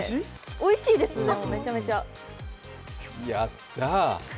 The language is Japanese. おいしいです、めちゃめちゃやった。